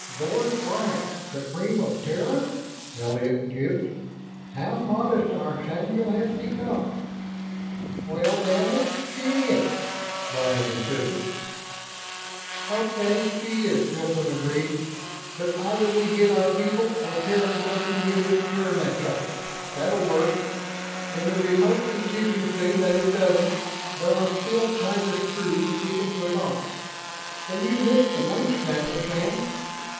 "Doris Bryant, the cream of Terra!" Elliott gibed. "How modest our Samuel has become!" "Well, damn it, she is!" Bryant insisted. "Okay, she is," Hilton agreed. "But either we get our people or Terra doesn't get its uranexite. That'll work. In the remote contingency that it doesn't, there are still tighter screws we can put on. But you missed the main snapper, Sam.